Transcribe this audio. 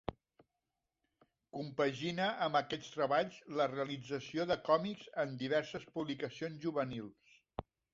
Compagina amb aquests treballs la realització de còmics en diverses publicacions juvenils.